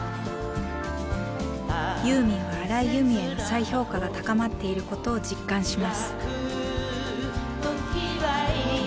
ユーミンは荒井由実への再評価が高まっていることを実感します。